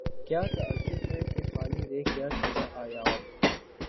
کیا تعجب ہے کہ خالی رہ گیا تیرا ایاغ